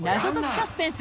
サスペンス